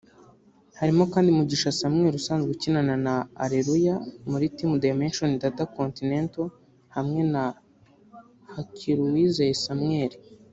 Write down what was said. Harimo kandi Mugisha Samuel usanzwe ukinana na Areruya muri Team Dimension Data Continental hamwe na Hakiruwizeye Samuel